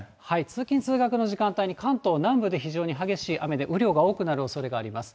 通勤・通学の時間帯に、関東南部に非常に激しい雨で、雨量が多くなるおそれがあります。